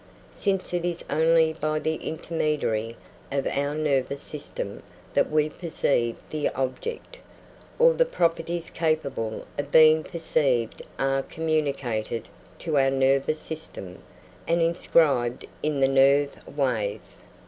Since it is only by the intermediary of our nervous system that we perceive the object, all the properties capable of being perceived are communicated to our nervous system and inscribed in the nerve wave.